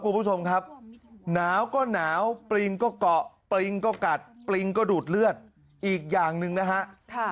คุณผู้ชมครับหนาวก็หนาวปริงก็เกาะปริงก็กัดปริงก็ดูดเลือดอีกอย่างหนึ่งนะฮะ